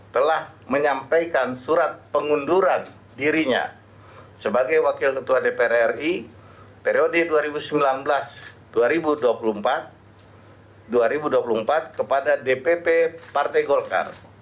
telah menyampaikan surat pengunduran dirinya sebagai wakil ketua dpr ri periode dua ribu sembilan belas dua ribu dua puluh empat kepada dpp partai golkar